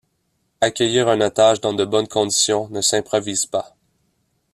Accueillir un otage dans de bonnes conditions ne s’improvise pas.